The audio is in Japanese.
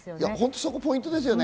そこポイントですね。